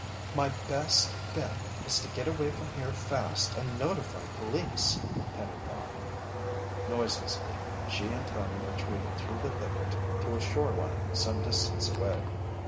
"My best bet is to get away from here fast and notify police!" Penny thought. Noiselessly, she and Tony retreated through the thicket to a shoreline some distance away.